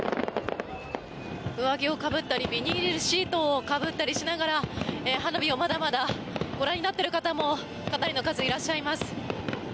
上着をかぶったりビニールシートをかぶったりしながら花火をまだまだご覧になっている方もかなりの数いらっしゃいます。